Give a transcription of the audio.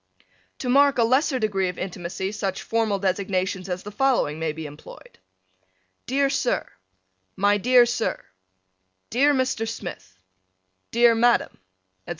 To mark a lesser degree of intimacy such formal designations as the following may be employed: Dear Sir: My dear Sir: Dear Mr. Smith: Dear Madam: etc.